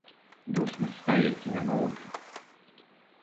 Dusmas saīsina mūžu